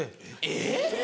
えっ！